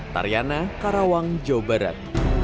tariana karawang jawa barat